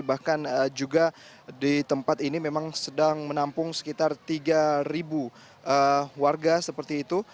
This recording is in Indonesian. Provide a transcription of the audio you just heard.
bahkan juga di tempat ini memang sedang menampung sekitar tiga warga seperti itu